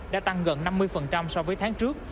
đã tăng gần năm mươi so với tháng trước